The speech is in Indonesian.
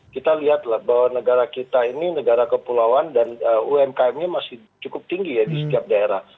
kita lihatlah bahwa negara kita ini negara kepulauan dan umkm nya masih cukup tinggi ya di setiap daerah